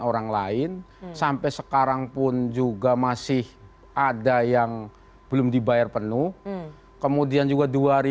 orang lain sampai sekarang pun juga masih ada yang belum dibayar penuh kemudian juga